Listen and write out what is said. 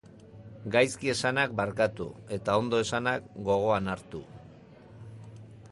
Gaizki esanak barkatu, eta ondo esanak gogoan hartu.